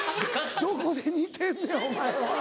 どこで似てんねんお前は。